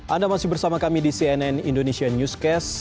anda masih bersama kami di cnn indonesia newscast